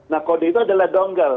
nah kode itu adalah donggal